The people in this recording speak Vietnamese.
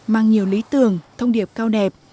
mang nhiều lý tưởng thông điệp cao đẹp